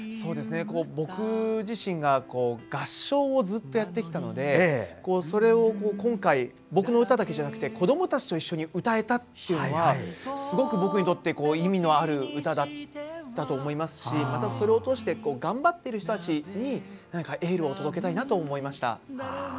僕自身が合唱をずっとやってきたので、それを今回僕の歌だけじゃなくて子どもたちと一緒に歌えたというのはすごく僕にとって意味のある歌だったと思いますしそれを通して頑張っている人たちにエールを届けたいなと思いました。